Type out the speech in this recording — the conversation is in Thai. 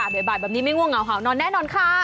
บ่ายแบบนี้ไม่ง่วงเหงาเห่านอนแน่นอนค่ะ